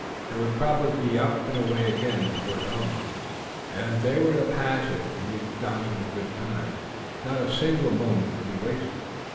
It would probably be up and away again before dawn, and if they were to pass it and reach Johnson in good time not a single moment could be wasted.